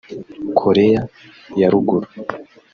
Koreya ya ruguru